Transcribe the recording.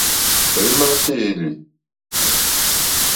Tɔ̀ímá téèlì.